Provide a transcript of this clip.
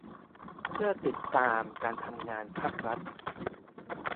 เพื่อการติดตามการทำงานภาครัฐ